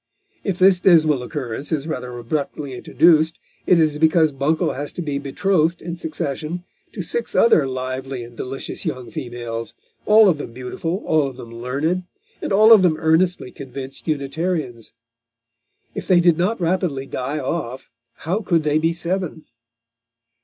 If this dismal occurrence is rather abruptly introduced, it is because Buncle has to be betrothed, in succession, to six other lively and delicious young females, all of them beautiful, all of them learned, and all of them earnestly convinced Unitarians. If they did not rapidly die off, how could they be seven?